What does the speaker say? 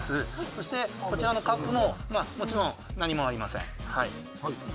そしてこちらのカップももちろん何もありません。